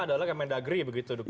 adalah kemendagri begitu duk capil